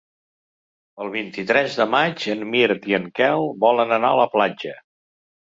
El vint-i-tres de maig en Mirt i en Quel volen anar a la platja.